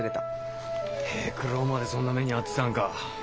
平九郎までそんな目に遭ってたんか。